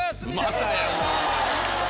またやもう。